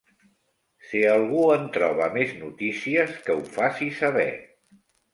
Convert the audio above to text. Si algú en troba més notícies, que ho faci saber.